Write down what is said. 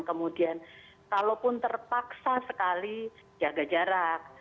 kemudian kalau pun terpaksa sekali jaga jarak